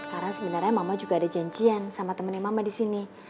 karena sebenarnya mama juga ada janjian sama temennya mama di sini